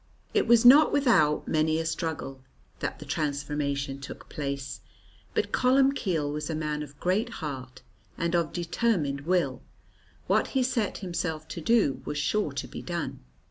It was not without many a struggle that the transformation took place; but Columbcille was a man of great heart and of determined will; what he set himself to do was sure to be done.